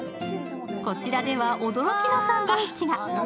こちらでは驚きのサンドイッチが。